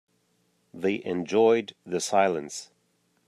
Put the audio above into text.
They enjoyed the silence.